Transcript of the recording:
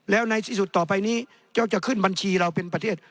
แล้วในที่สุดต่อไปนี้เจ้าจะขึ้นบัญชีเราเป็นประเทศ